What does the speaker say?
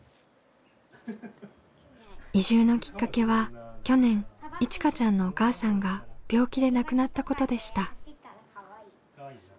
移住のきっかけは去年いちかちゃんのお母さんが病気で亡くなったことでした。